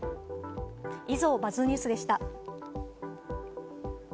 以上、「ＢＵＺＺニュース」でした。